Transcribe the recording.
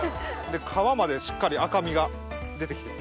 皮までしっかり赤みが出てきてます。